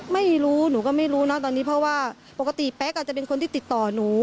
ไม่รู้หนูก็ไม่รู้นะตอนนี้เพราะว่าปกติแป๊กอาจจะเป็นคนที่ติดต่อหนู